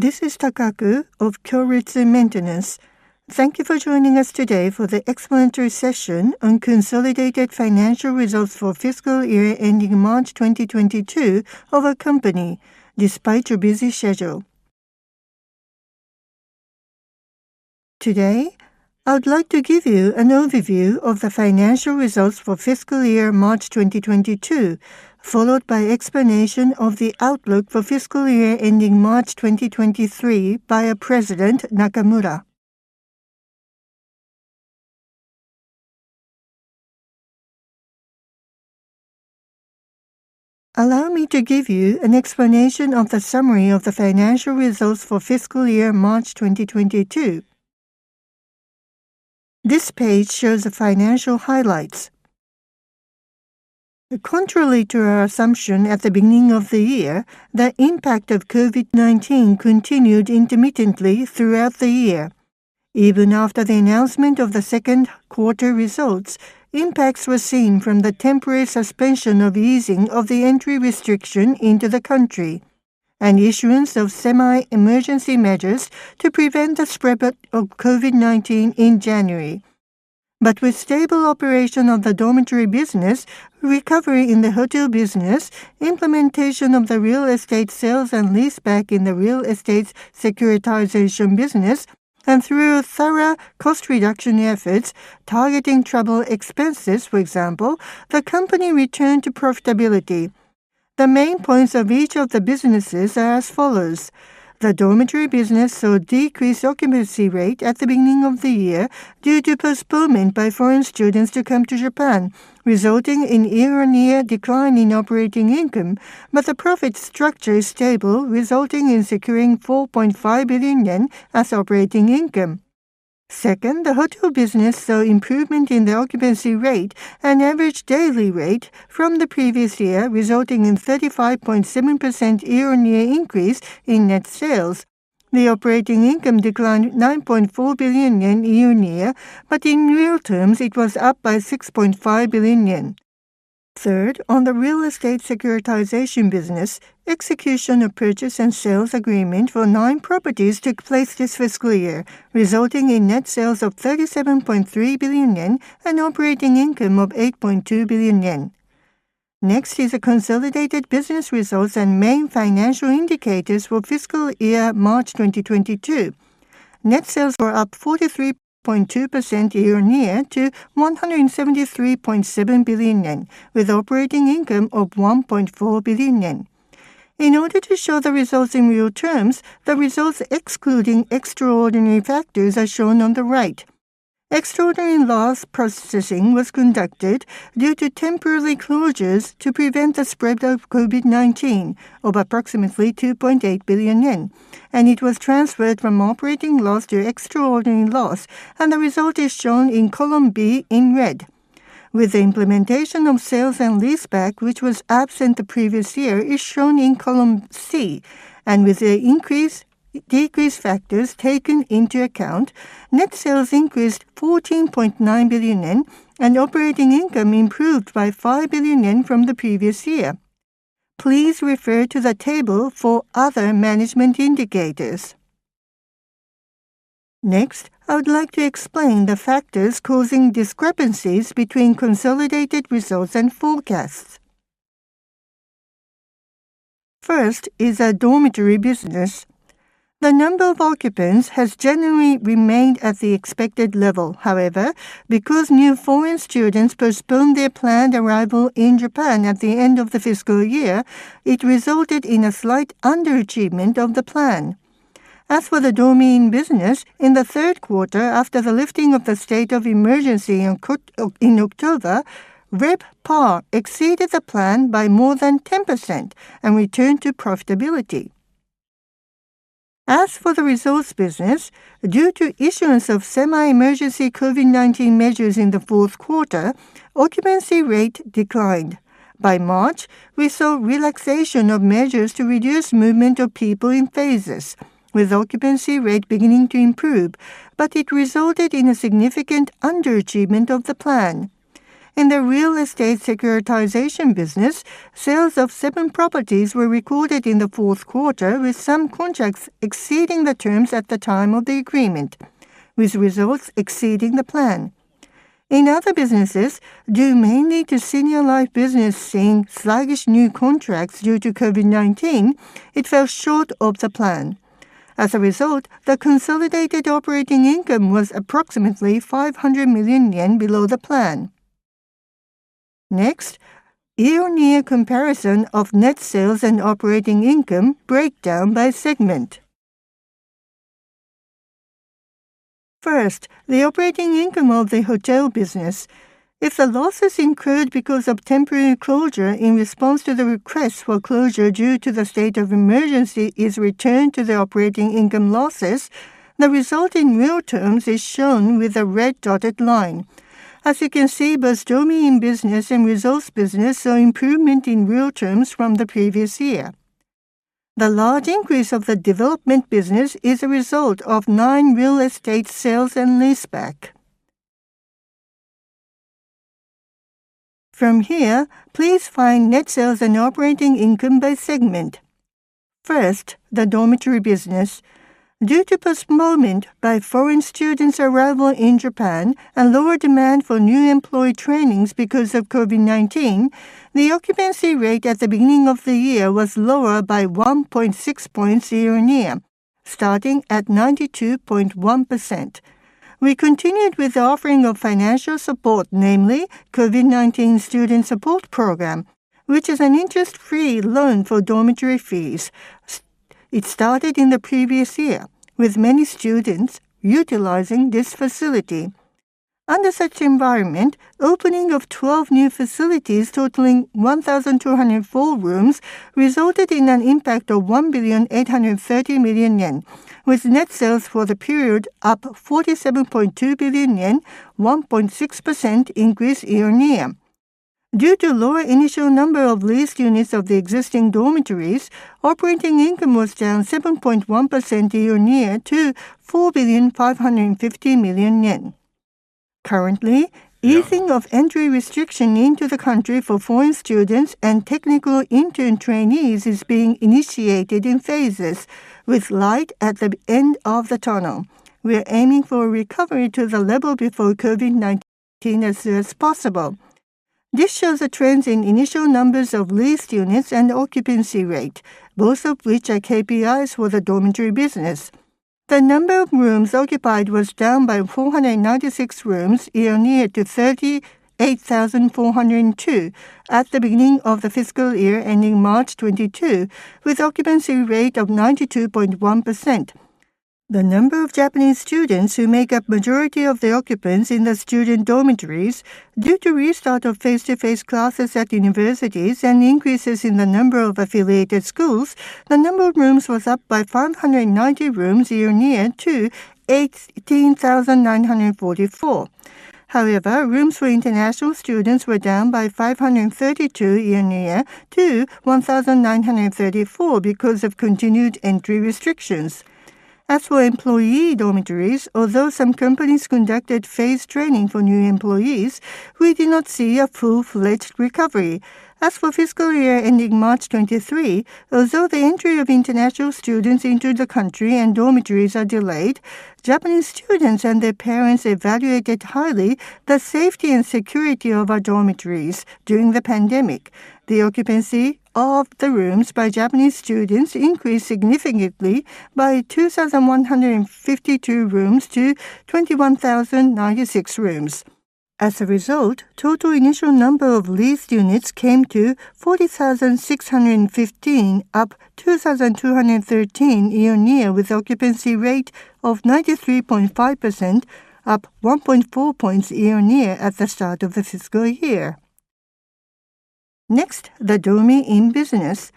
This is Takaku of Kyoritsu Maintenance. Thank you for joining us today for the explanatory session on consolidated financial results for fiscal year ending March 2022 of our company despite your busy schedule. Today, I would like to give you an overview of the financial results for fiscal year March 2022, followed by explanation of the outlook for fiscal year ending March 2023 by our president, Nakamura. Allow me to give you an explanation of the summary of the financial results for fiscal year March 2022. This page shows the financial highlights. Contrary to our assumption at the beginning of the year, the impact of COVID-19 continued intermittently throughout the year. Even after the announcement of the second quarter results, impacts were seen from the temporary suspension of easing of the entry restriction into the country and issuance of semi-emergency measures to prevent the spread of COVID-19 in January. With stable operation of the dormitory business, recovery in the hotel business, implementation of the real estate sale and leaseback in the real estate securitization business, and through thorough cost reduction efforts targeting travel expenses, for example, the company returned to profitability. The main points of each of the businesses are as follows. The dormitory business saw decreased occupancy rate at the beginning of the year due to postponement by foreign students to come to Japan, resulting in year-on-year decline in operating income. The profit structure is stable, resulting in securing 4.5 billion yen as operating income. Second, the hotel business saw improvement in the occupancy rate, an average daily rate from the previous year, resulting in 35.7% year-on-year increase in net sales. The operating income declined 9.4 billion yen year-on-year, but in real terms it was up by 6.5 billion yen. Third, on the real estate securitization business, execution of purchase and sales agreement for nine properties took place this fiscal year, resulting in net sales of 37.3 billion yen and operating income of 8.2 billion yen. Next is the consolidated business results and main financial indicators for fiscal year March 2022. Net sales were up 43.2% year-on-year to 173.7 billion yen, with operating income of 1.4 billion yen. In order to show the results in real terms, the results excluding extraordinary factors are shown on the right. Extraordinary loss processing was conducted due to temporary closures to prevent the spread of COVID-19 of approximately 2.8 billion yen, and it was transferred from operating loss to extraordinary loss, and the result is shown in column B in red. With the implementation of sale and leaseback, which was absent the previous year, is shown in column C. With decreased factors taken into account, net sales increased 14.9 billion yen and operating income improved by 5 billion yen from the previous year. Please refer to the table for other management indicators. Next, I would like to explain the factors causing discrepancies between consolidated results and forecasts. First is our dormitory business. The number of occupants has generally remained at the expected level. However, because new foreign students postponed their planned arrival in Japan at the end of the fiscal year, it resulted in a slight underachievement of the plan. As for the Dormy Inn business, in the third quarter after the lifting of the state of emergency in October, RevPAR exceeded the plan by more than 10% and returned to profitability. As for the resorts business, due to issuance of semi-emergency COVID-19 measures in the fourth quarter, occupancy rate declined. By March, we saw relaxation of measures to reduce movement of people in phases, with occupancy rate beginning to improve, but it resulted in a significant underachievement of the plan. In the real estate securitization business, sales of seven properties were recorded in the fourth quarter, with some contracts exceeding the terms at the time of the agreement, with results exceeding the plan. In other businesses, due mainly to senior life business seeing sluggish new contracts due to COVID-19, it fell short of the plan. As a result, the consolidated operating income was approximately 500 million yen below the plan. Next, year-on-year comparison of net sales and operating income breakdown by segment. First, the operating income of the hotel business. If the losses incurred because of temporary closure in response to the request for closure due to the state of emergency is returned to the operating income losses, the result in real terms is shown with a red dotted line. As you can see, both Dormy Inn business and resorts business saw improvement in real terms from the previous year. The large increase of the development business is a result of 9 real estate sales and leaseback. From here, please find net sales and operating income by segment. First, the dormitory business. Due to postponement by foreign students' arrival in Japan and lower demand for new employee trainings because of COVID-19, the occupancy rate at the beginning of the year was lower by 1.6 points year-on-year, starting at 92.1%. We continued with the offering of financial support, namely COVID-19 Student Support Program, which is an interest-free loan for dormitory fees. It started in the previous year with many students utilizing this facility. Under such environment, opening of 12 new facilities totaling 1,204 rooms resulted in an impact of 1.83 billion, with net sales for the period up 47.2 billion yen, 1.6% increase year-on-year. Due to lower initial number of leased units of the existing dormitories, operating income was down 7.1% year-on-year to 4.55 billion. Currently, easing of entry restriction into the country for foreign students and technical intern trainees is being initiated in phases with light at the end of the tunnel. We are aiming for a recovery to the level before COVID-19 as soon as possible. This shows the trends in initial numbers of leased units and occupancy rate, both of which are KPIs for the dormitory business. The number of rooms occupied was down by 496 rooms year-on-year to 38,402 at the beginning of the fiscal year ending March 2022, with occupancy rate of 92.1%. The number of Japanese students who make up majority of the occupants in the student dormitories due to restart of face-to-face classes at universities and increases in the number of affiliated schools. The number of rooms was up by 590 rooms year-on-year to 18,944. However, rooms for international students were down by 532 year-on-year to 1,934 because of continued entry restrictions. As for employee dormitories, although some companies conducted phased training for new employees, we did not see a full-fledged recovery. As for fiscal year ending March 2023, although the entry of international students into the country and dormitories are delayed, Japanese students and their parents evaluated highly the safety and security of our dormitories during the pandemic. The occupancy of the rooms by Japanese students increased significantly by 2,152 rooms to 21,096 rooms. As a result, total initial number of leased units came to 40,615, up 2,213 year-on-year, with occupancy rate of 93.5%, up 1.4 points year-on-year at the start of the fiscal year. Next, the Dormy Inn business.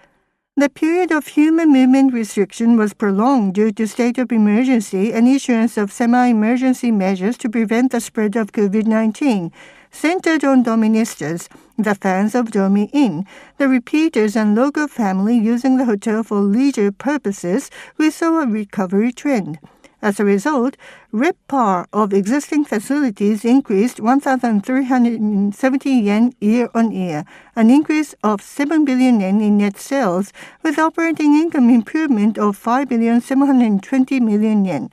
The period of human movement restriction was prolonged due to state of emergency and issuance of semi-emergency measures to prevent the spread of COVID-19. Centered on Dorministas, the fans of Dormy Inn, the repeaters and local family using the hotel for leisure purposes, we saw a recovery trend. As a result, RevPAR of existing facilities increased 1,370 yen year-over-year, an increase of 7 billion yen in net sales with operating income improvement of 5.72 billion yen.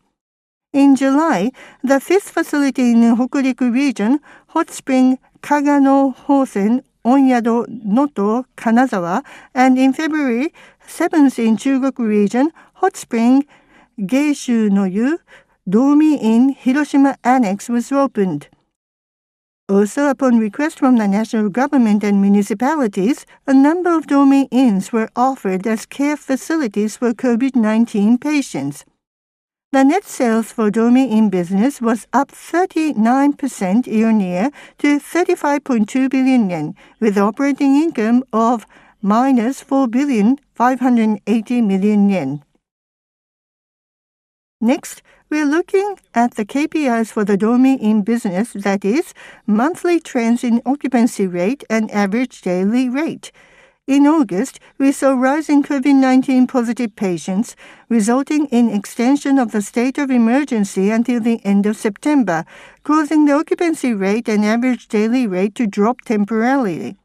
In July, the fifth facility in the Hokuriku region, hot spring Kaga no Yusai Onyado Nono Kanazawa, and in February, seventh in Chugoku region, hot spring Geishuu no Yu Dormy Inn Hiroshima ANNEX was opened. Also, upon request from the national government and municipalities, a number of Dormy Inns were offered as care facilities for COVID-19 patients. The net sales for Dormy Inn business was up 39% year-over-year to 35.2 billion yen with operating income of -4.58 billion. Next, we're looking at the KPIs for the Dormy Inn business, that is monthly trends in occupancy rate and average daily rate. In August, we saw rising COVID-19 positive patients resulting in extension of the state of emergency until the end of September, causing the occupancy rate and average daily rate to drop temporarily.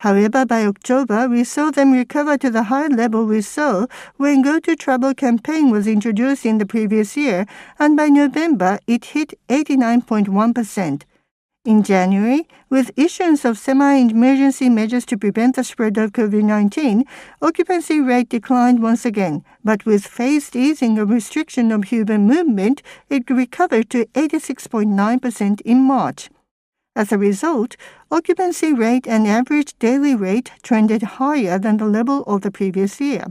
However, by October, we saw them recover to the high level we saw when Go To Travel campaign was introduced in the previous year, and by November, it hit 89.1%. In January, with issuance of semi-emergency measures to prevent the spread of COVID-19, occupancy rate declined once again. With phased easing of restriction of human movement, it recovered to 86.9% in March. As a result, occupancy rate and average daily rate trended higher than the level of the previous year.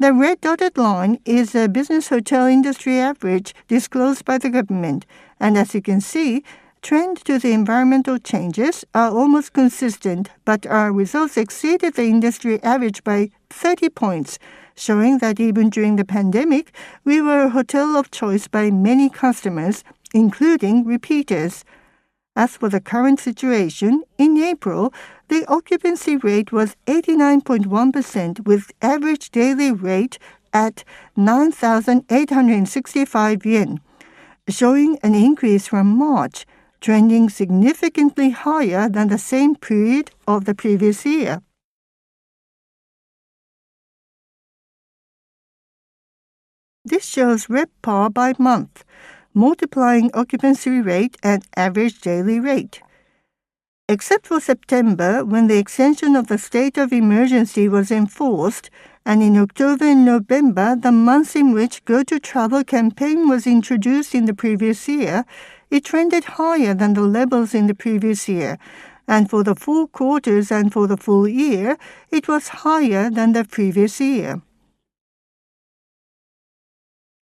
The red dotted line is a business hotel industry average disclosed by the government, and as you can see, trend to the environmental changes are almost consistent, but our results exceeded the industry average by 30 points, showing that even during the pandemic, we were a hotel of choice by many customers, including repeaters. As for the current situation, in April, the occupancy rate was 89.1% with average daily rate at 9,865 yen. Showing an increase from March, trending significantly higher than the same period of the previous year. This shows RevPAR by month, multiplying occupancy rate and average daily rate. Except for September, when the extension of the state of emergency was enforced, and in October and November, the months in which Go To Travel campaign was introduced in the previous year, it trended higher than the levels in the previous year. For the four quarters and for the full year, it was higher than the previous year.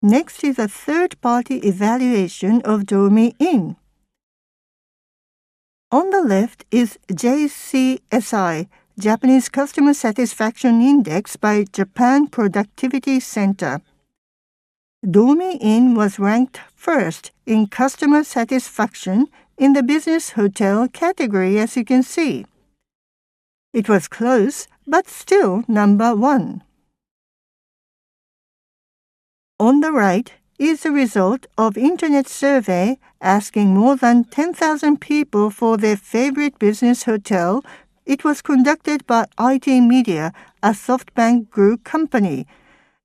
Next is a third-party evaluation of Dormy Inn. On the left is JCSI, Japanese Customer Satisfaction Index by Japan Productivity Center. Dormy Inn was ranked first in customer satisfaction in the business hotel category, as you can see. It was close, but still number one. On the right is the result of internet survey asking more than 10,000 people for their favorite business hotel. It was conducted by ITmedia, a SoftBank Group company,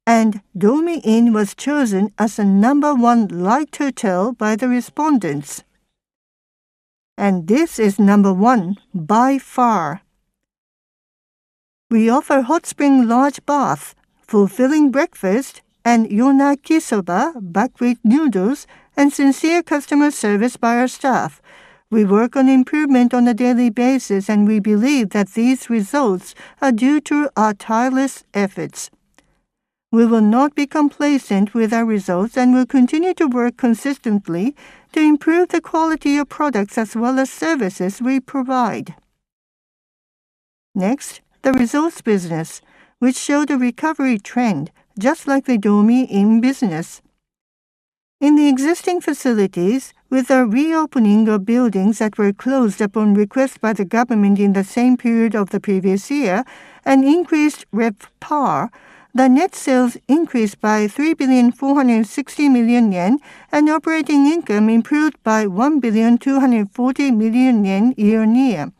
and Dormy Inn was chosen as the number one business hotel by the respondents. This is number one by far. We offer hot spring large bath, fulfilling breakfast, and Yonaki Soba buckwheat noodles, and sincere customer service by our staff. We work on improvement on a daily basis, and we believe that these results are due to our tireless efforts. We will not be complacent with our results and will continue to work consistently to improve the quality of products as well as services we provide. Next, the resorts business, which showed a recovery trend just like the Dormy Inn business. In the existing facilities, with the reopening of buildings that were closed upon request by the government in the same period of the previous year and increased RevPAR, the net sales increased by 3.46 billion, and operating income improved by 1.24 billion year-on-year.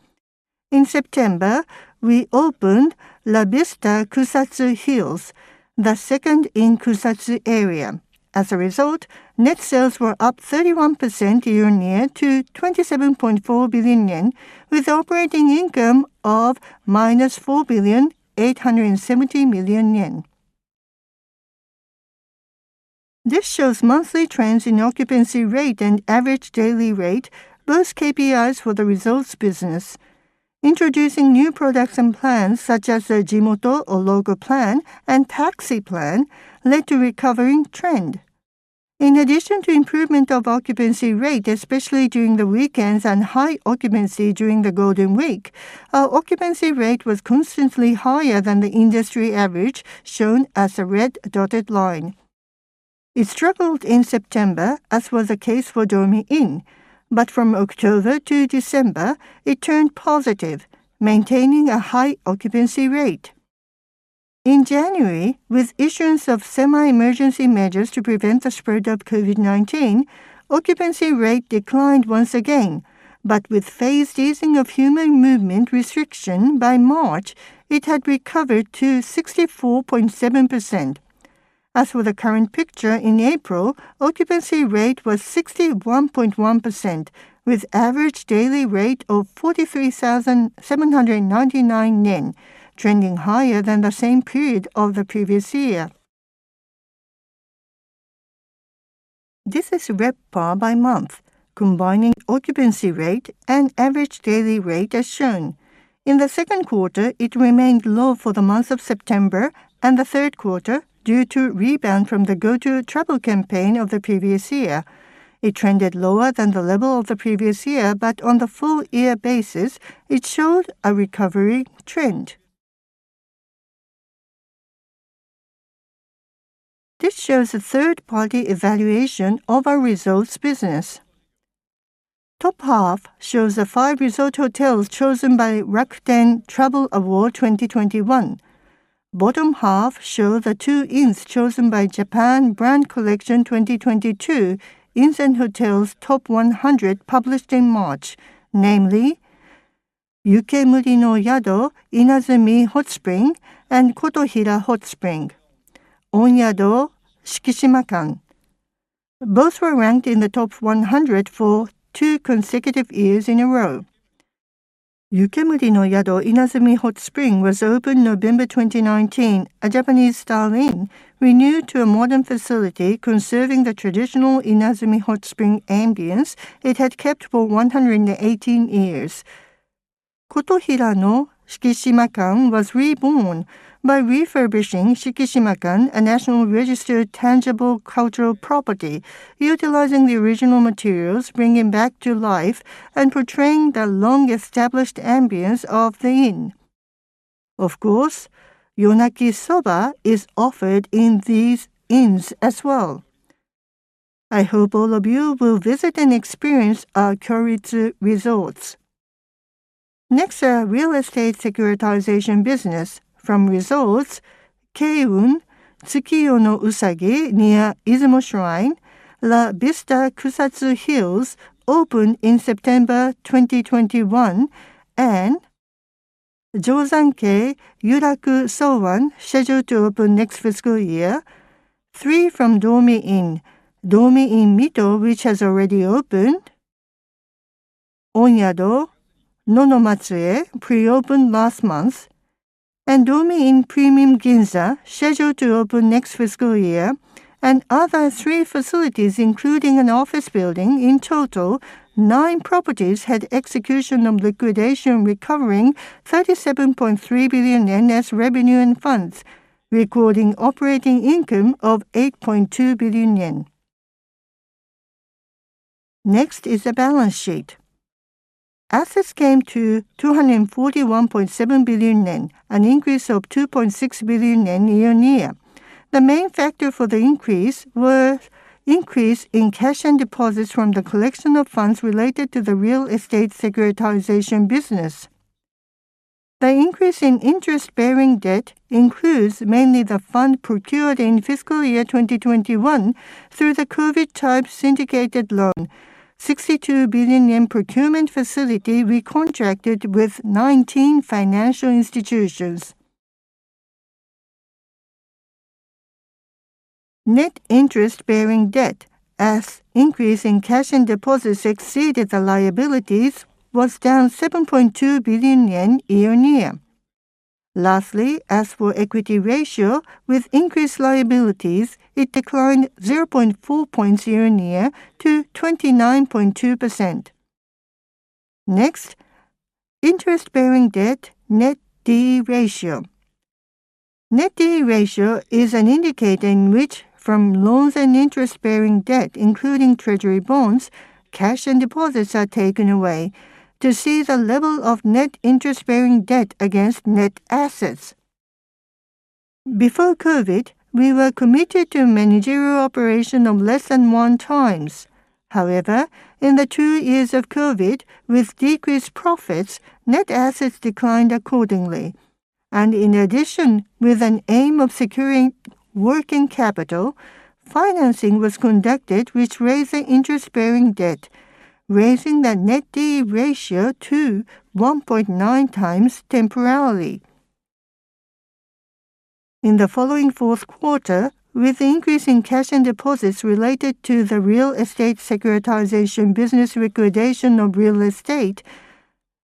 In September, we opened La Vista Kusatsu Hills, the second in Kusatsu area. As a result, net sales were up 31% year-on-year to 27.4 billion yen with operating income of -4.87 billion. This shows monthly trends in occupancy rate and average daily rate, both KPIs for the resorts business. Introducing new products and plans such as the Jimoto or Local Plan, and Taxi Plan led to recovering trend. In addition to improvement of occupancy rate, especially during the weekends and high occupancy during the Golden Week, our occupancy rate was constantly higher than the industry average, shown as a red dotted line. It struggled in September, as was the case for Dormy Inn, but from October to December, it turned positive, maintaining a high occupancy rate. In January, with issuance of semi-emergency measures to prevent the spread of COVID-19, occupancy rate declined once again. With phased easing of human movement restriction by March, it had recovered to 64.7%. As for the current picture in April, occupancy rate was 61.1% with average daily rate of 43,799 yen, trending higher than the same period of the previous year. This is RevPAR by month, combining occupancy rate and average daily rate as shown. In the second quarter, it remained low for the month of September and the third quarter due to rebound from the Go To Travel campaign of the previous year. It trended lower than the level of the previous year, but on the full year basis, it showed a recovery trend. This shows the third-party evaluation of our resorts business. Top half shows the five resort hotels chosen by Rakuten Travel Award 2021. Bottom half show the two inns chosen by Japan Brand Collection 2022 Inns & Hotels Top 100, published in March, namely Yukemuri no Yado Inazumi Onsen and Kotohira Onsen, Onyado Shikishima-kan. Both were ranked in the top 100 for two consecutive years in a row. Yukemuri no Yado Inazumi Onsen was opened November 2019, a Japanese-style inn renewed to a modern facility conserving the traditional Inazumi Onsen ambience it had kept for 118 years. Kotohira no Onyado Shikishima-kan was reborn by refurbishing Onyado Shikishima-kan, a national registered tangible cultural property, utilizing the original materials, bringing back to life and portraying the long-established ambience of the inn. Of course, Yonaki Soba is offered in these inns as well. I hope all of you will visit and experience our Kyoritsu Resorts. Next, our real estate securitization business. From results, Kyoritsu, Oyado Tsukiyo no Usagi near Izumo Shrine, La Vista Kusatsu Hills opened in September 2021, and Jozankei Yuraku Soan scheduled to open next fiscal year. Three from Dormy Inn. Dormy Inn Mito, which has already opened. Onyado Nono Matsue pre-opened last month. Dormy Inn Premium Ginza scheduled to open next fiscal year. Other three facilities, including an office building. In total, nine properties had execution of liquidation, recovering 37.3 billion yen as revenue and funds, recording operating income of 8.2 billion yen. Next is the balance sheet. Assets came to 241.7 billion yen, an increase of 2.6 billion yen year-on-year. The main factor for the increase were increase in cash and deposits from the collection of funds related to the real estate securitization business. The increase in interest-bearing debt includes mainly the fund procured in fiscal year 2021 through the COVID-type syndicated loan, 62 billion procurement facility recontracted with 19 financial institutions. Net interest-bearing debt, as increase in cash and deposits exceeded the liabilities, was down 7.2 billion yen year-on-year. Lastly, as for equity ratio, with increased liabilities, it declined 0.4 points year-on-year to 29.2%. Next, interest-bearing debt Net D/E Ratio. Net D/E Ratio is an indicator in which from loans and interest-bearing debt, including treasury bonds, cash and deposits are taken away to see the level of net interest-bearing debt against net assets. Before COVID, we were committed to managerial operation of less than 1x. However, in the two years of COVID, with decreased profits, net assets declined accordingly. In addition, with an aim of securing working capital, financing was conducted, which raised the interest-bearing debt, raising the Net D/E Ratio to 1.9 times temporarily. In the following fourth quarter, with the increase in cash and deposits related to the real estate securitization business liquidation of real estate,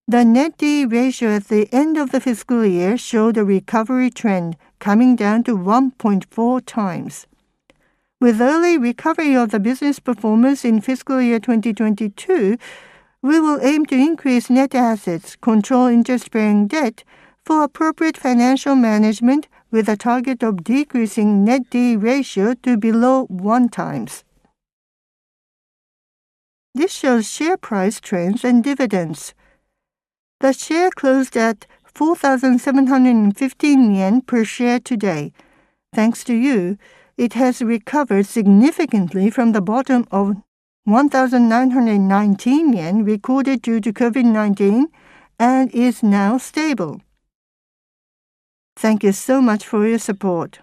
the Net D/E Ratio at the end of the fiscal year showed a recovery trend coming down to 1.4 times. With early recovery of the business performance in fiscal year 2022, we will aim to increase net assets, control interest-bearing debt for appropriate financial management with a target of decreasing Net D/E Ratio to below one times. This shows share price trends and dividends. The share closed at 4,715 yen per share today. Thanks to you, it has recovered significantly from the bottom of 1,919 yen recorded due to COVID-19 and is now stable. Thank you so much for your support.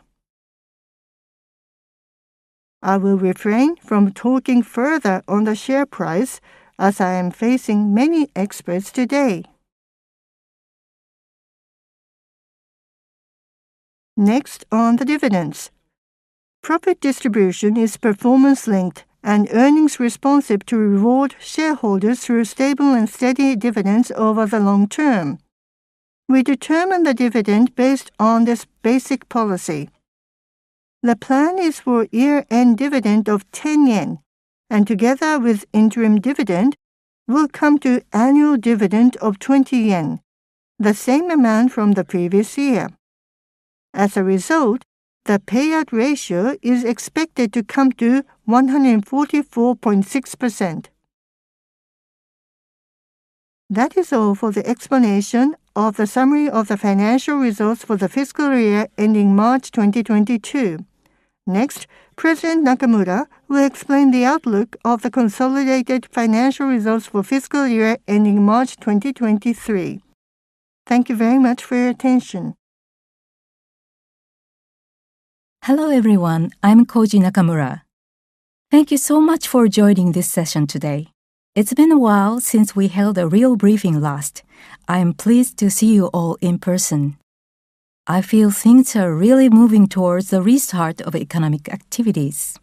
I will refrain from talking further on the share price as I am facing many experts today. Next, on the dividends. Profit distribution is performance-linked and earnings responsive to reward shareholders through stable and steady dividends over the long term. We determine the dividend based on this basic policy. The plan is for year-end dividend of 10 yen, and together with interim dividend will come to annual dividend of 20 yen, the same amount from the previous year. As a result, the payout ratio is expected to come to 144.6%. That is all for the explanation of the summary of the financial results for the fiscal year ending March 2022. Next, President Nakamura will explain the outlook of the consolidated financial results for fiscal year ending March 2023. Thank you very much for your attention. Hello, everyone. I'm Koji Nakamura. Thank you so much for joining this session today. It's been a while since we held a real briefing last. I am pleased to see you all in person. I feel things are really moving towards the restart of economic activities.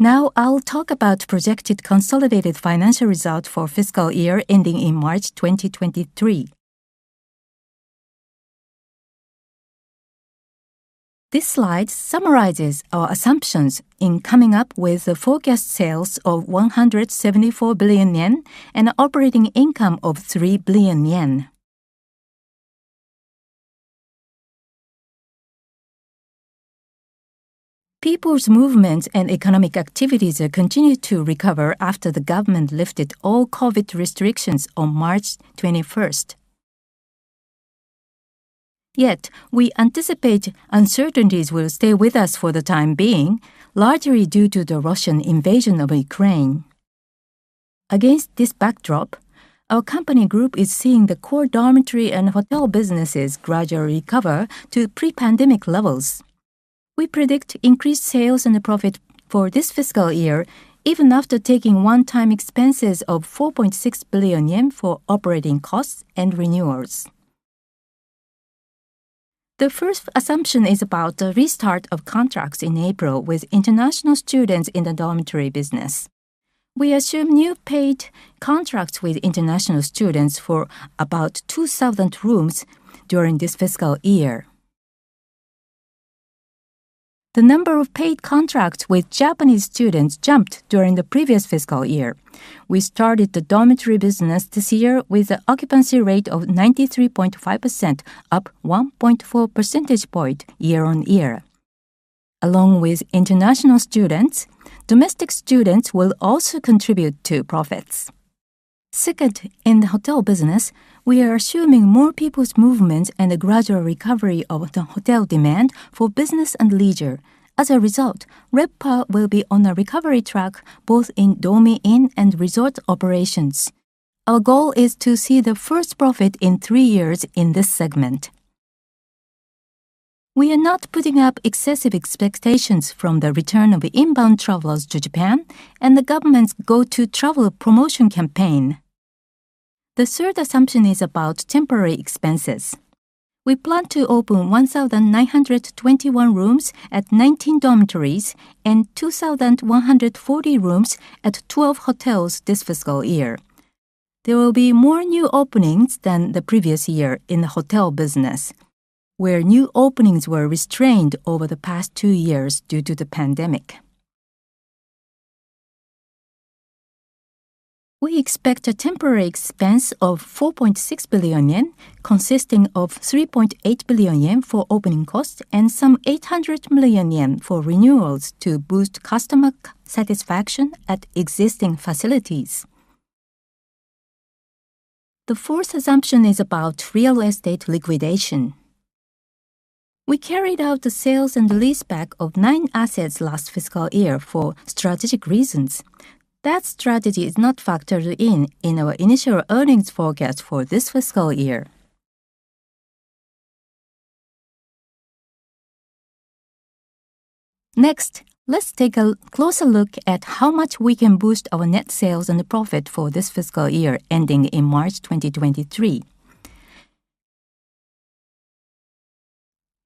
Now I'll talk about projected consolidated financial result for fiscal year ending in March 2023. This slide summarizes our assumptions in coming up with the forecast sales of 174 billion yen and operating income of 3 billion yen. People's movements and economic activities are continued to recover after the government lifted all COVID restrictions on March 21st. Yet, we anticipate uncertainties will stay with us for the time being, largely due to the Russian invasion of Ukraine. Against this backdrop, our company group is seeing the core dormitory and hotel businesses gradually recover to pre-pandemic levels. We predict increased sales and profit for this fiscal year, even after taking one-time expenses of 4.6 billion yen for operating costs and renewals. The first assumption is about the restart of contracts in April with international students in the dormitory business. We assume new paid contracts with international students for about 2,000 rooms during this fiscal year. The number of paid contracts with Japanese students jumped during the previous fiscal year. We started the dormitory business this year with an occupancy rate of 93.5%, up 1.4 percentage points year-on-year. Along with international students, domestic students will also contribute to profits. Second, in the hotel business, we are assuming more people's movements and a gradual recovery of the hotel demand for business and leisure. As a result, RevPAR will be on a recovery track both in Dormy Inn and resort operations. Our goal is to see the first profit in three years in this segment. We are not putting up excessive expectations from the return of inbound travelers to Japan and the government's Go To Travel promotion campaign. The third assumption is about temporary expenses. We plan to open 1,921 rooms at 19 dormitories and 2,140 rooms at 12 hotels this fiscal year. There will be more new openings than the previous year in the hotel business, where new openings were restrained over the past two years due to the pandemic. We expect a temporary expense of 4.6 billion yen, consisting of 3.8 billion yen for opening costs and some 800 million yen for renewals to boost customer satisfaction at existing facilities. The fourth assumption is about real estate liquidation. We carried out the sales and leaseback of nine assets last fiscal year for strategic reasons. That strategy is not factored in our initial earnings forecast for this fiscal year. Next, let's take a closer look at how much we can boost our net sales and profit for this fiscal year ending in March 2023.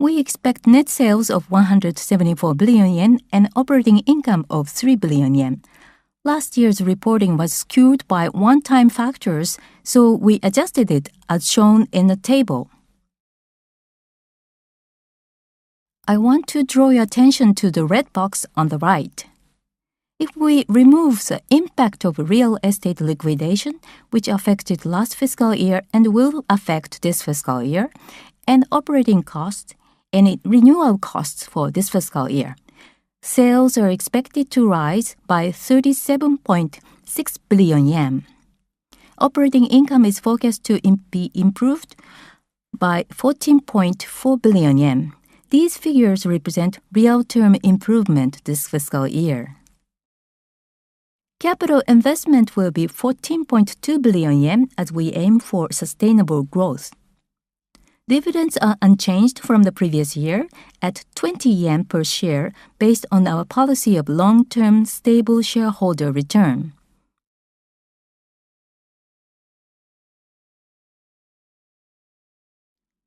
We expect net sales of 174 billion yen and operating income of 3 billion yen. Last year's reporting was skewed by one-time factors, so we adjusted it as shown in the table. I want to draw your attention to the red box on the right. If we remove the impact of real estate liquidation, which affected last fiscal year and will affect this fiscal year, and operating costs and renewal costs for this fiscal year, sales are expected to rise by 37.6 billion yen. Operating income is forecast to be improved by 14.4 billion yen. These figures represent real-term improvement this fiscal year. Capital investment will be 14.2 billion yen as we aim for sustainable growth. Dividends are unchanged from the previous year at 20 yen per share based on our policy of long-term stable shareholder return.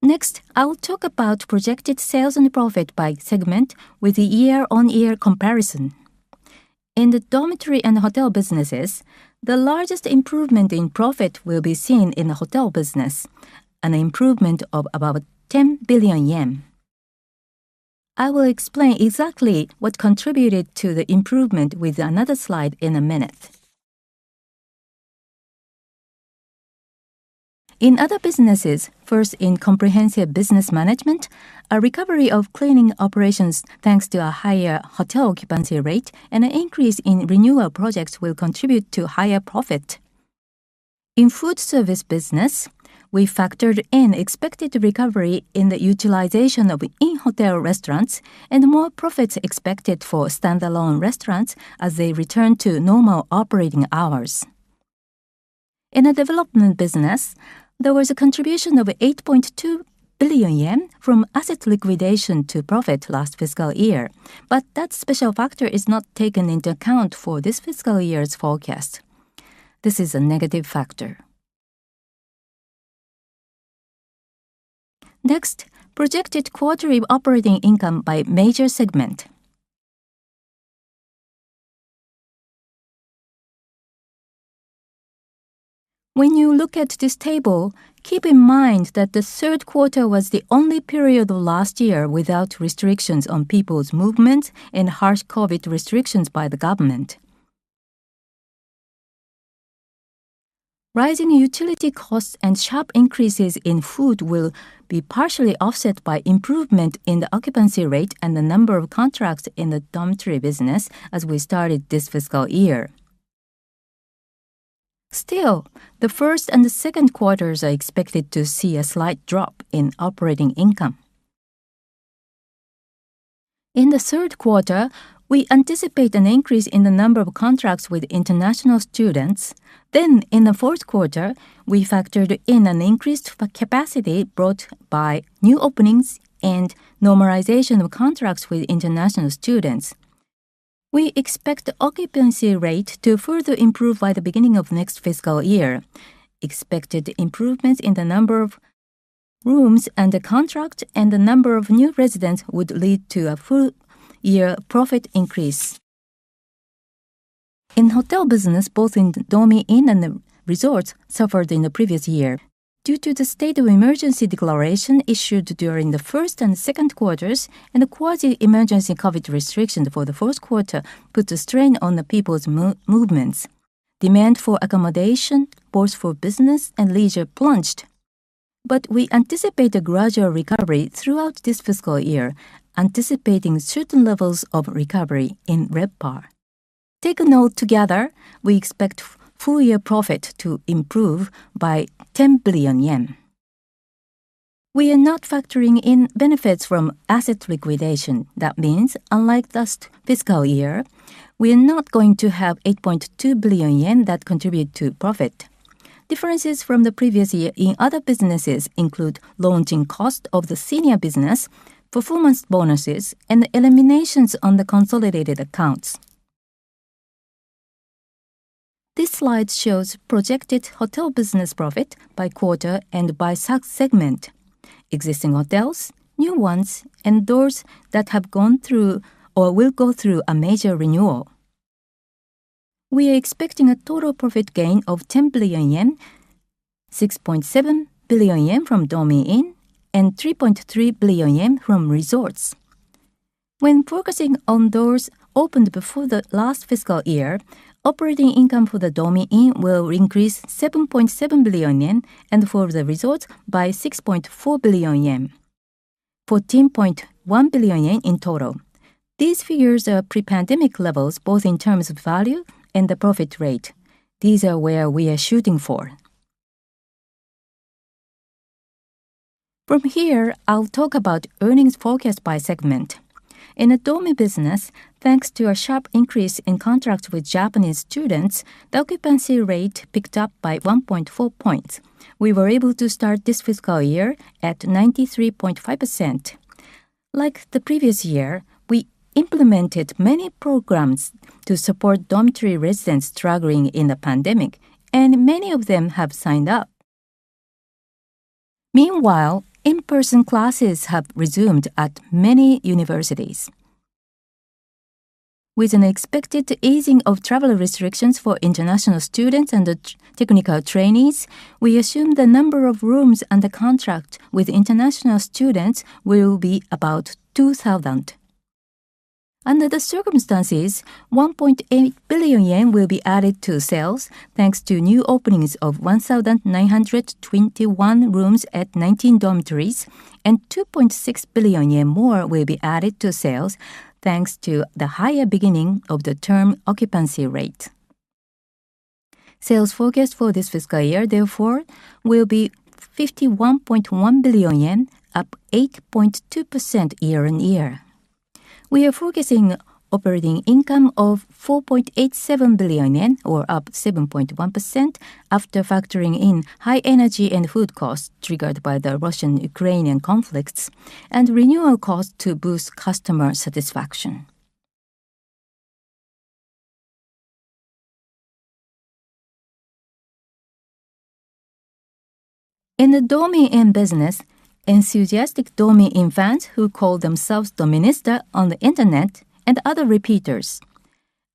Next, I'll talk about projected sales and profit by segment with the year-on-year comparison. In the dormitory and hotel businesses, the largest improvement in profit will be seen in the hotel business, an improvement of about 10 billion yen. I will explain exactly what contributed to the improvement with another slide in a minute. In other businesses, first, in comprehensive business management, a recovery of cleaning operations thanks to a higher hotel occupancy rate and an increase in renewal projects will contribute to higher profit. In food service business, we factored in expected recovery in the utilization of in-hotel restaurants and more profits expected for standalone restaurants as they return to normal operating hours. In the development business, there was a contribution of 8.2 billion yen from asset liquidation to profit last fiscal year, but that special factor is not taken into account for this fiscal year's forecast. This is a negative factor. Next, projected quarterly operating income by major segment. When you look at this table, keep in mind that the third quarter was the only period of last year without restrictions on people's movements and harsh COVID restrictions by the government. Rising utility costs and sharp increases in food will be partially offset by improvement in the occupancy rate and the number of contracts in the dormitory business as we started this fiscal year. Still, the first and second quarters are expected to see a slight drop in operating income. In the third quarter, we anticipate an increase in the number of contracts with international students. In the fourth quarter, we factored in an increased capacity brought by new openings and normalization of contracts with international students. We expect occupancy rate to further improve by the beginning of next fiscal year. Expected improvements in the number of rooms under contract and the number of new residents would lead to a full year profit increase. In hotel business, both in Dormy Inn and Resorts suffered in the previous year due to the state of emergency declaration issued during the first and second quarters, and the quasi-emergency COVID restrictions for the fourth quarter put a strain on the people's movements. Demand for accommodation, both for business and leisure, plunged. We anticipate a gradual recovery throughout this fiscal year, anticipating certain levels of recovery in RevPAR. Taken all together, we expect full year profit to improve by 10 billion yen. We are not factoring in benefits from asset liquidation. That means, unlike last fiscal year, we are not going to have 8.2 billion yen that contribute to profit. Differences from the previous year in other businesses include launching costs of the senior business, performance bonuses, and eliminations on the consolidated accounts. This slide shows projected hotel business profit by quarter and by sub-segment, existing hotels, new ones, and those that have gone through or will go through a major renewal. We are expecting a total profit gain of 10 billion yen, 6.7 billion yen from Dormy Inn, and 3.3 billion yen from Resorts. When focusing on those opened before the last fiscal year, operating income for the Dormy Inn will increase 7.7 billion yen and for the Resorts by 6.4 billion yen, 14.1 billion yen in total. These figures are pre-pandemic levels, both in terms of value and the profit rate. These are where we are shooting for. From here, I'll talk about earnings forecast by segment. In the Dormy business, thanks to a sharp increase in contracts with Japanese students, the occupancy rate picked up by 1.4 points. We were able to start this fiscal year at 93.5%. Like the previous year, we implemented many programs to support dormitory residents struggling in the pandemic, and many of them have signed up. Meanwhile, in-person classes have resumed at many universities. With an expected easing of travel restrictions for international students and the technical trainees, we assume the number of rooms under contract with international students will be about 2,000. Under the circumstances, 1.8 billion yen will be added to sales thanks to new openings of 1,921 rooms at 19 dormitories, and 2.6 billion yen more will be added to sales, thanks to the higher beginning of the term occupancy rate. Sales forecast for this fiscal year, therefore, will be 51.1 billion yen, up 8.2% year-on-year. We are forecasting operating income of 4.87 billion yen, up 7.1% after factoring in high energy and food costs triggered by the Russian-Ukrainian conflicts and renewal costs to boost customer satisfaction. In the Dormy Inn business, enthusiastic Dormy Inn fans who call themselves Dorminista on the Internet and other repeaters,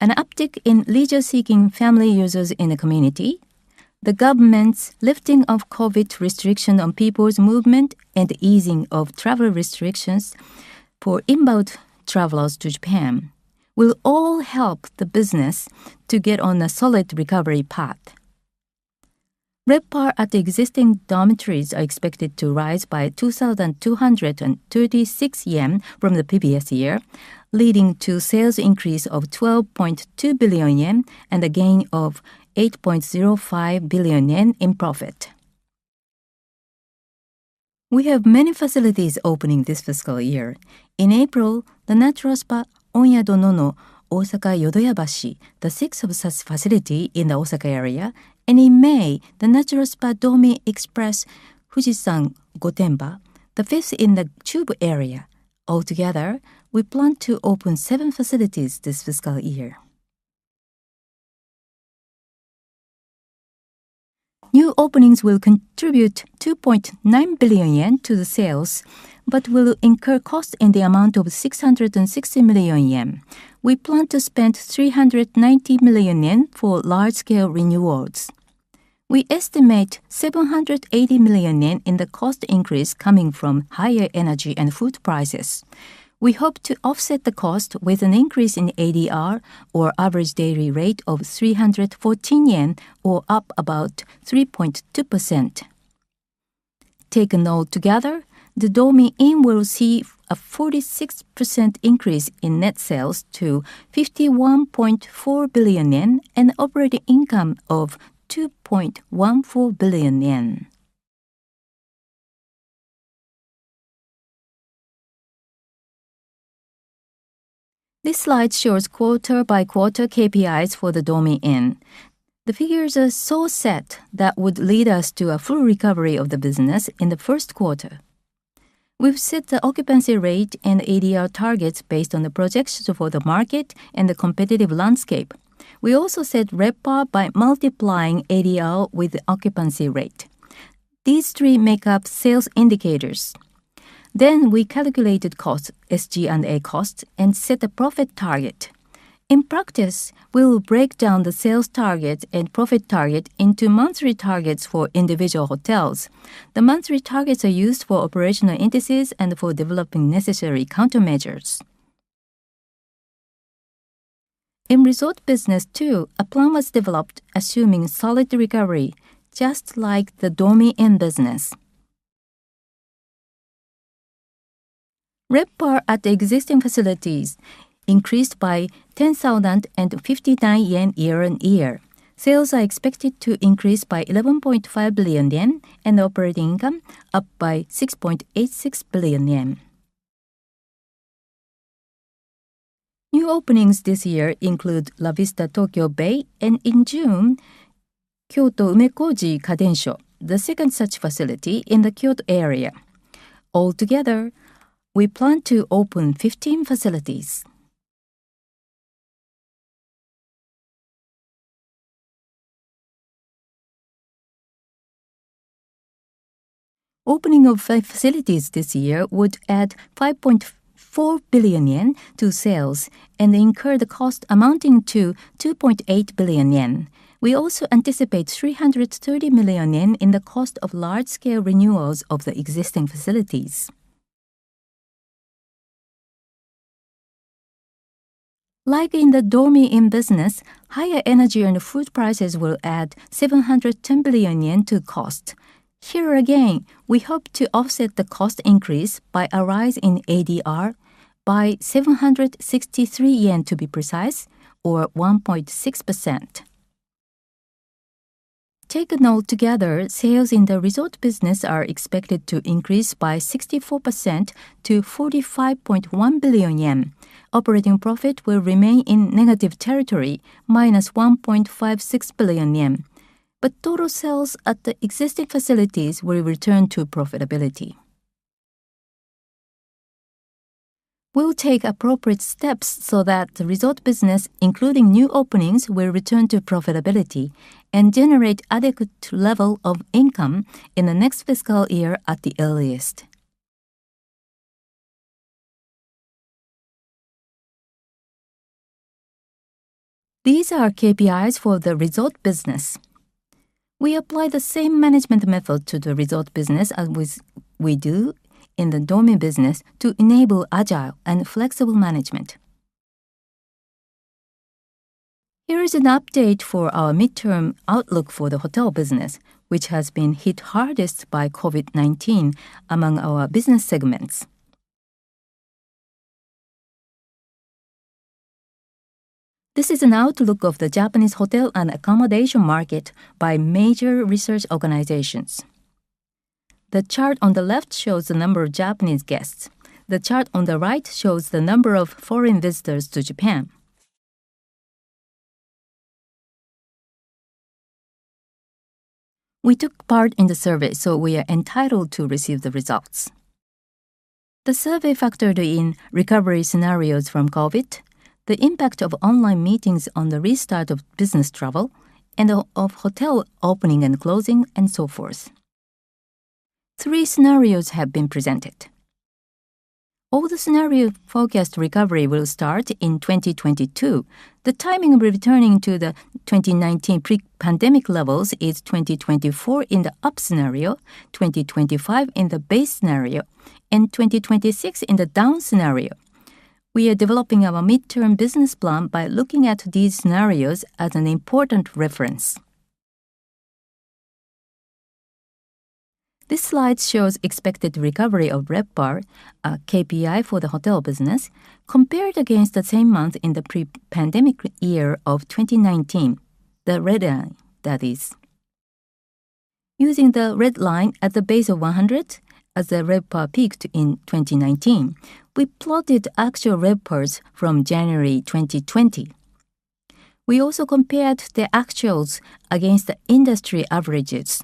an uptick in leisure-seeking family users in the community, the government's lifting of COVID restriction on people's movement, and the easing of travel restrictions for inbound travelers to Japan will all help the business to get on a solid recovery path. RevPAR at existing dormitories is expected to rise by 2,236 yen from the previous year, leading to sales increase of 12.2 billion yen and a gain of 8.05 billion yen in profit. We have many facilities opening this fiscal year. In April, Onyado Nono Osaka Yodoyabashi, the sixth such facility in the Osaka area, and in May, Natural Spa Dormy Inn Express Fujisan Gotemba, the fifth in the Chubu area. Altogether, we plan to open seven facilities this fiscal year. New openings will contribute 2.9 billion yen to the sales, but will incur costs in the amount of 660 million yen. We plan to spend 390 million yen for large-scale renewals. We estimate 780 million yen in the cost increase coming from higher energy and food prices. We hope to offset the cost with an increase in ADR or average daily rate of 314 yen or up about 3.2%. Taken all together, the Dormy Inn will see a 46% increase in net sales to 51.4 billion yen and operating income of 2.14 billion yen. This slide shows quarter-by-quarter KPIs for the Dormy Inn. The figures are so set that would lead us to a full recovery of the business in the first quarter. We've set the occupancy rate and ADR targets based on the projections for the market and the competitive landscape. We also set RevPAR by multiplying ADR with the occupancy rate. These three make up sales indicators. We calculated costs, SG&A costs, and set a profit target. In practice, we will break down the sales target and profit target into monthly targets for individual hotels. The monthly targets are used for operational indices and for developing necessary countermeasures. In resort business too, a plan was developed assuming solid recovery, just like the Dormy Inn business. RevPAR at existing facilities increased by 10,059 yen year on year. Sales are expected to increase by 11.5 billion yen and operating income up by 6.86 billion yen. New openings this year include La Vista Tokyo Bay and in June, Kyoto Umekoji Kadensho, the second such facility in the Kyoto area. Altogether, we plan to open 15 facilities. Opening of five facilities this year would add 5.4 billion yen to sales and incur the cost amounting to 2.8 billion yen. We also anticipate 330 million yen in the cost of large-scale renewals of the existing facilities. Like in the Dormy Inn business, higher energy and food prices will add 710 billion yen to cost. Here again, we hope to offset the cost increase by a rise in ADR by 763 yen to be precise, or 1.6%. Taken all together, sales in the resort business are expected to increase by 64% to 45.1 billion yen. Operating profit will remain in negative territory, -1.56 billion yen. Total sales at the existing facilities will return to profitability. We'll take appropriate steps so that the resort business, including new openings, will return to profitability and generate adequate level of income in the next fiscal year at the earliest. These are KPIs for the resort business. We apply the same management method to the resort business as we do in the Dormy business to enable agile and flexible management. Here is an update for our midterm outlook for the hotel business, which has been hit hardest by COVID-19 among our business segments. This is an outlook of the Japanese hotel and accommodation market by major research organizations. The chart on the left shows the number of Japanese guests. The chart on the right shows the number of foreign visitors to Japan. We took part in the survey, so we are entitled to receive the results. The survey factored in recovery scenarios from COVID, the impact of online meetings on the restart of business travel, and of hotel opening and closing, and so forth. Three scenarios have been presented. All the scenarios forecast recovery will start in 2022. The timing of returning to the 2019 pre-pandemic levels is 2024 in the up scenario, 2025 in the base scenario, and 2026 in the down scenario. We are developing our midterm business plan by looking at these scenarios as an important reference. This slide shows expected recovery of RevPAR, a KPI for the hotel business, compared against the same month in the pre-pandemic year of 2019, the red line that is. Using the red line at the base of 100 as the RevPAR peaked in 2019, we plotted actual RevPARs from January 2020. We also compared the actuals against the industry averages.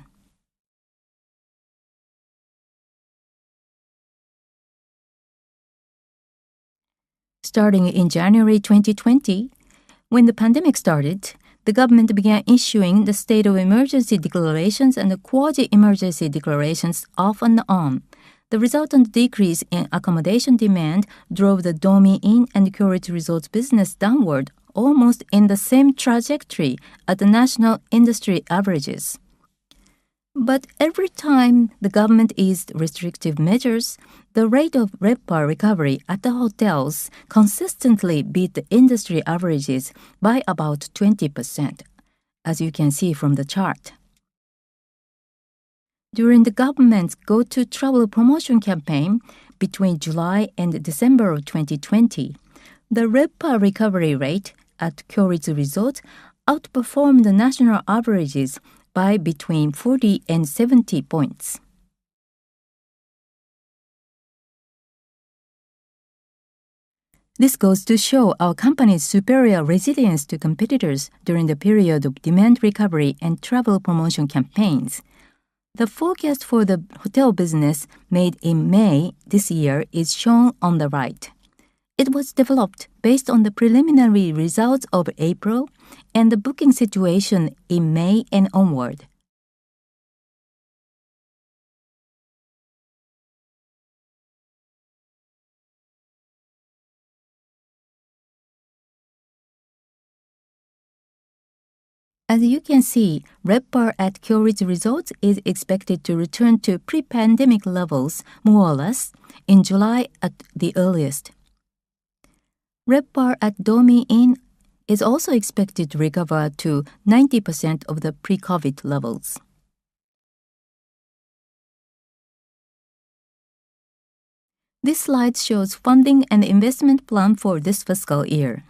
Starting in January 2020, when the pandemic started, the government began issuing the state of emergency declarations and the quasi-emergency declarations off and on. The resultant decrease in accommodation demand drove the Dormy Inn and Kyoritsu Resorts business downward, almost in the same trajectory as the national industry averages. Every time the government eased restrictive measures, the rate of RevPAR recovery at the hotels consistently beat the industry averages by about 20%. As you can see from the chart. During the government's Go To Travel promotion campaign between July and December of 2020, the RevPAR recovery rate at Kyoritsu Resorts outperformed the national averages by between 40 and 70 points. This goes to show our company's superior resilience to competitors during the period of demand recovery and travel promotion campaigns. The forecast for the hotel business made in May this year is shown on the right. It was developed based on the preliminary results of April and the booking situation in May and onward. As you can see, RevPAR at Kyoritsu Resorts is expected to return to pre-pandemic levels, more or less, in July at the earliest. RevPAR at Dormy Inn is also expected to recover to 90% of the pre-COVID levels. This slide shows funding and investment plan for this fiscal year.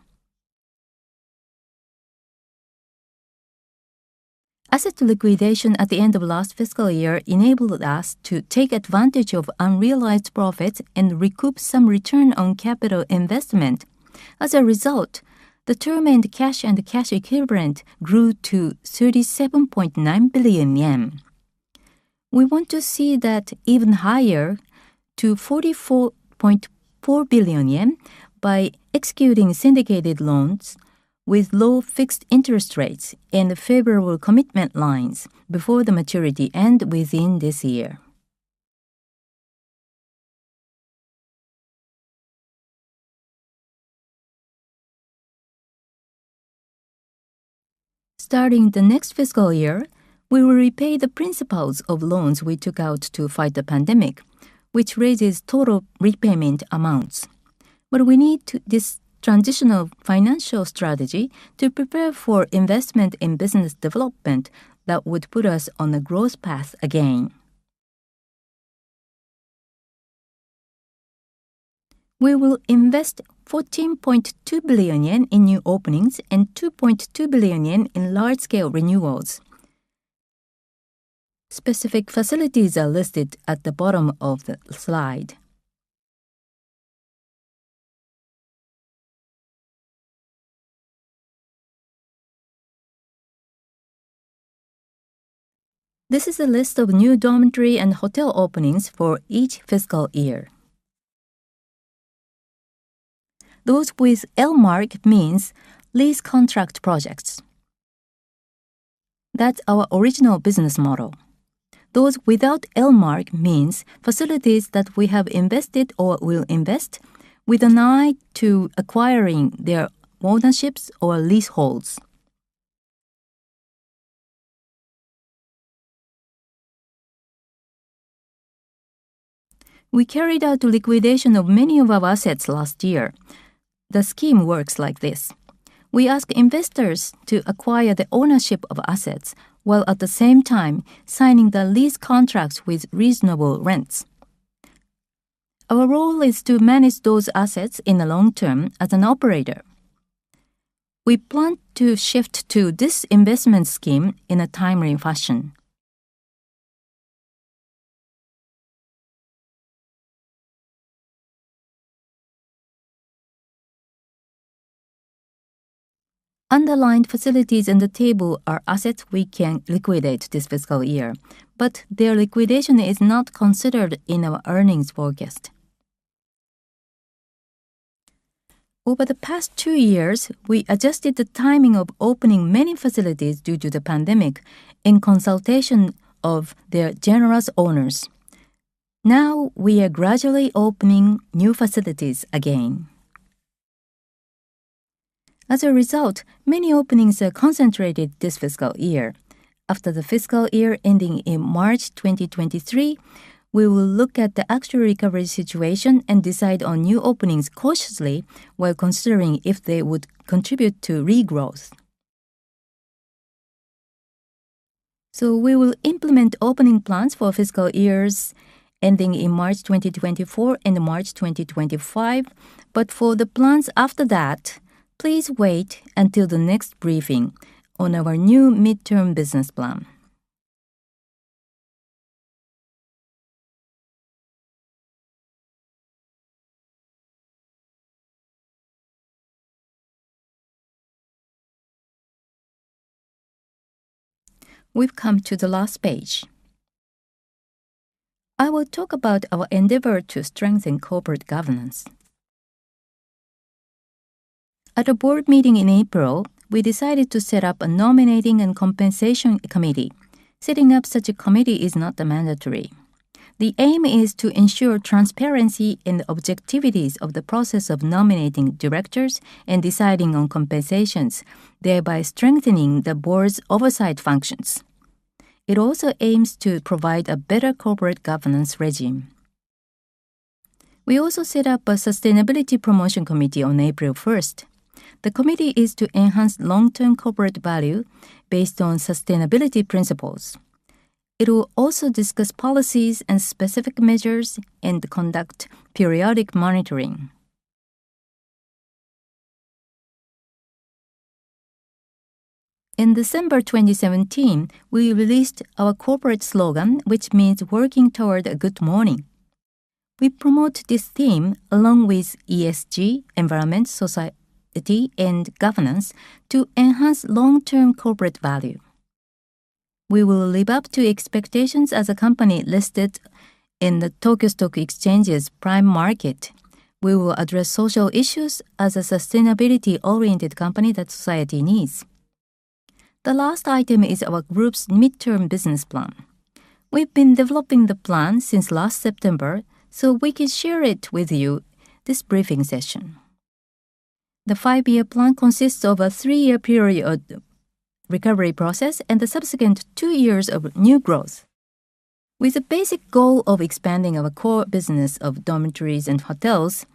Asset liquidation at the end of last fiscal year enabled us to take advantage of unrealized profits and recoup some return on capital investment. As a result, the term end cash and cash equivalent grew to 37.9 billion yen. We want to see that even higher to 44.4 billion yen by executing syndicated loans with low fixed interest rates and favorable commitment lines before the maturity end within this year. Starting the next fiscal year, we will repay the principals of loans we took out to fight the pandemic, which raises total repayment amounts. We need this transitional financial strategy to prepare for investment in business development that would put us on a growth path again. We will invest 14.2 billion yen in new openings and 2.2 billion yen in large-scale renewals. Specific facilities are listed at the bottom of the slide. This is a list of new dormitory and hotel openings for each fiscal year. Those with L mark means lease contract projects. That's our original business model. Those without L mark means facilities that we have invested or will invest with an eye to acquiring their ownerships or leaseholds. We carried out liquidation of many of our assets last year. The scheme works like this. We ask investors to acquire the ownership of assets, while at the same time signing the lease contracts with reasonable rents. Our role is to manage those assets in the long term as an operator. We plan to shift to this investment scheme in a timely fashion. Underlined facilities in the table are assets we can liquidate this fiscal year, but their liquidation is not considered in our earnings forecast. Over the past two years, we adjusted the timing of opening many facilities due to the pandemic in consultation of their generous owners. Now we are gradually opening new facilities again. As a result, many openings are concentrated this fiscal year. After the fiscal year ending in March 2023, we will look at the actual recovery situation and decide on new openings cautiously while considering if they would contribute to regrowth. We will implement opening plans for fiscal years ending in March 2024 and March 2025. For the plans after that, please wait until the next briefing on our new midterm business plan. We've come to the last page. I will talk about our endeavor to strengthen corporate governance. At a board meeting in April, we decided to set up a nominating and compensation committee. Setting up such a committee is not mandatory. The aim is to ensure transparency and objectivity of the process of nominating directors and deciding on compensation, thereby strengthening the board's oversight functions. It also aims to provide a better corporate governance regime. We also set up a sustainability promotion committee on April 1st. The committee is to enhance long-term corporate value based on sustainability principles. It will also discuss policies and specific measures and conduct periodic monitoring. In December 2017, we released our corporate slogan, which means working toward a good morning. We promote this theme along with ESG, environment, society, and governance to enhance long-term corporate value. We will live up to expectations as a company listed in the Tokyo Stock Exchange's Prime Market. We will address social issues as a sustainability-oriented company that society needs. The last item is our group's midterm business plan. We've been developing the plan since last September, so we can share it with you this briefing session. The five-year plan consists of a three-year period recovery process and the subsequent two years of new growth. With the basic goal of expanding our core business of dormitories and hotels,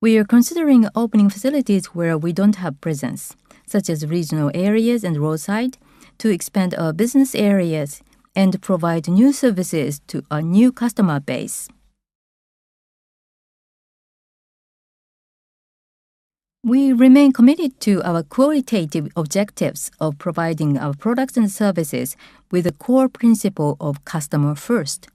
we are considering opening facilities where we don't have presence, such as regional areas and roadside, to expand our business areas and provide new services to our new customer base. We remain committed to our qualitative objectives of providing our products and services with the core principle of customer first.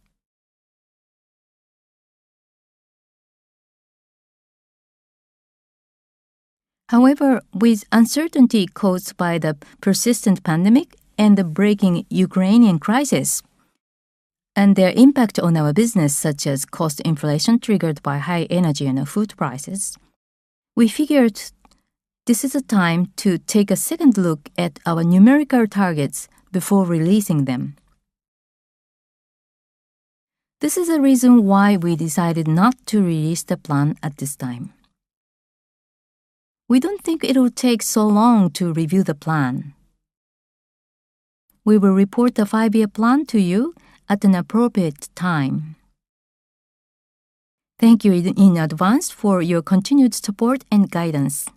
However, with uncertainty caused by the persistent pandemic and the breaking Ukrainian crisis and their impact on our business, such as cost inflation triggered by high energy and food prices, we figured this is a time to take a second look at our numerical targets before releasing them. This is the reason why we decided not to release the plan at this time. We don't think it will take so long to review the plan. We will report the five-year plan to you at an appropriate time. Thank you in advance for your continued support and guidance.